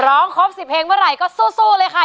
ร้องครบ๑๐เพลงเมื่อไหร่ก็สู้เลยค่ะ